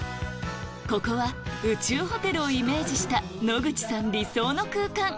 ここは宇宙ホテルをイメージした野口さん理想の空間